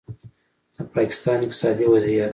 د پاکستان اقتصادي وضعیت